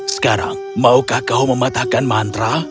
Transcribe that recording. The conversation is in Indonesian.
sekarang maukah kau mematahkan mantra